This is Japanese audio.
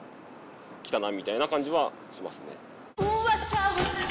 みたいな感じはしますね。